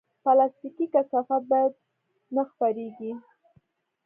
پلاستيکي کثافات باید نه خپرېږي.